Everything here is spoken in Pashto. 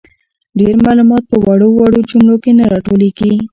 ډیر معلومات په وړو وړو جملو کي نه راټولیږي.